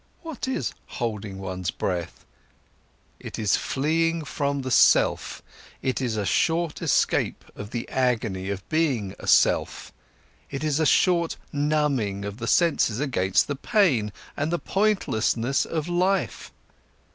What is holding one's breath? It is fleeing from the self, it is a short escape of the agony of being a self, it is a short numbing of the senses against the pain and the pointlessness of life.